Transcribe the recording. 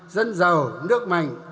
dân giàu nước mạnh